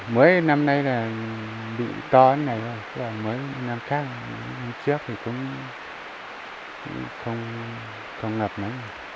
mới năm nay là bị to thế này thôi mấy năm trước thì cũng không ngập lắm